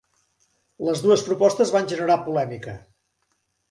Les dues propostes van generar polèmica.